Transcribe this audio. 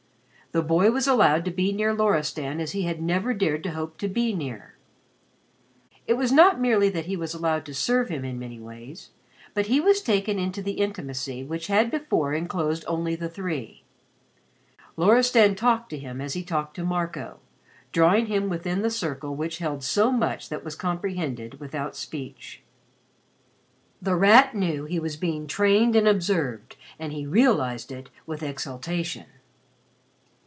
The boy was allowed to be near Loristan as he had never dared to hope to be near. It was not merely that he was allowed to serve him in many ways, but he was taken into the intimacy which had before enclosed only the three. Loristan talked to him as he talked to Marco, drawing him within the circle which held so much that was comprehended without speech. The Rat knew that he was being trained and observed and he realized it with exaltation.